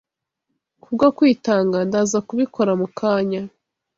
kubwo kwitanga ndaza kubikora mukanya